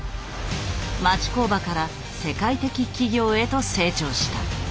町工場から世界的企業へと成長した。